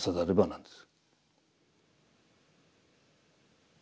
なんです。